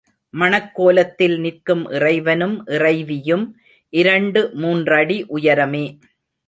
மணக்கோலத்தில் நிற்கும் இறைவனும், இறைவியும் இரண்டு மூன்றடி உயரமே.